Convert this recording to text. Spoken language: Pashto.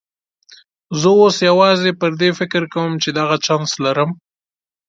زه اوس یوازې پر دې فکر کوم چې دغه چانس لرم.